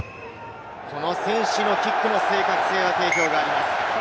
この選手のキックの正確性は定評があります。